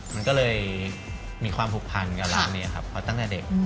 มันก็เลยมีความผูกพันกับร้านนี้ครับเพราะตั้งแต่เด็ก